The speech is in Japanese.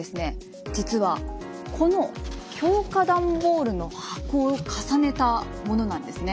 実はこの強化段ボールの箱を重ねたものなんですね。